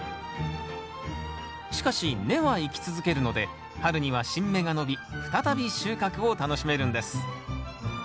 しかし根は生き続けるので春には新芽が伸び再び収穫を楽しめるんです。